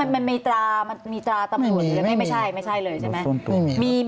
มันมีตรามันมีตราตำรวจหรือไม่ใช่ไม่ใช่เลยใช่ไหม